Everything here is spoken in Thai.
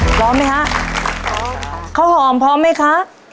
พร้อมมั้ยคะพร้อมค่ะเขาหอมพร้อมมั้ยคะ